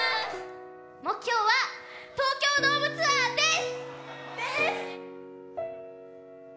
目標は東京ドームツアーです。